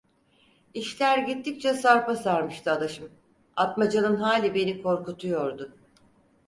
İşler gittikçe sarpa sarmıştı adaşım, Atmaca'nın hali beni korkutuyordu.